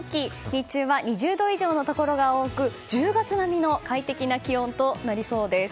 日中は２０度以上のところが多く１０月並みの快適な気温となりそうです。